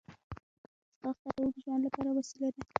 ځغاسته د اوږد ژوند لپاره وسیله ده